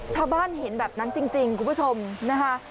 ชาวบ้านเห็นแบบนั้นจริงคุณผู้ชมนะคะ